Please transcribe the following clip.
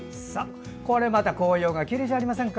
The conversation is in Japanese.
これまた紅葉がきれいじゃありませんか。